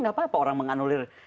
gapapa orang menganulir